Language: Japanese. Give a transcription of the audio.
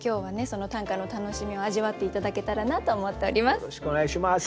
その短歌の楽しみを味わって頂けたらなと思っております。